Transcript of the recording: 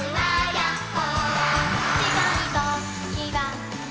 やっほ。